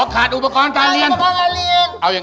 อ๋อขาดรอนการเรียน